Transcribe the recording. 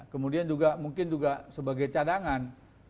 kemudian juga mungkin juga sebagai cadangan